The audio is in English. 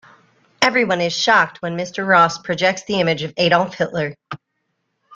Everyone is shocked when Mr. Ross projects the image of Adolf Hitler.